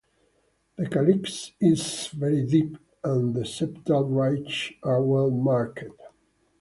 The calyx is very deep and the septal ridges are well marked.